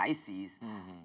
dari mereka mereka juga